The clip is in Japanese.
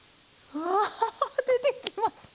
うわあ！出てきました。